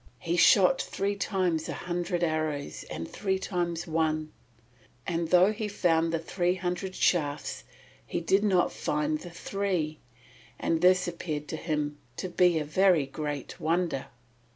He shot three times a hundred arrows and three times one, and though he found the three hundred shafts he did not find the three; and this appeared to him to be a very great wonder.